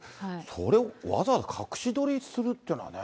それをわざわざ隠し撮りするっていうのはね。